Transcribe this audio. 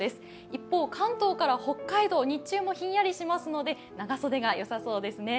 一方、関東から北海道、日中もひんやりしますので長袖がよさそうですね。